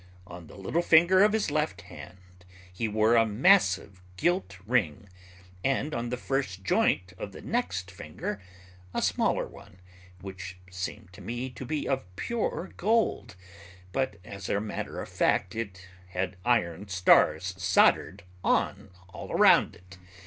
On the little finger of his left hand he wore a massive gilt ring, and on the first joint of the next finger, a smaller one which seemed to me to be of pure gold, but as a matter of fact it had iron stars soldered on all around it.